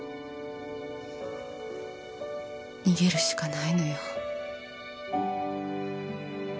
逃げるしかないのよ。